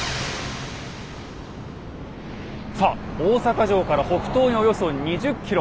さあ大阪城から北東におよそ２０ｋｍ。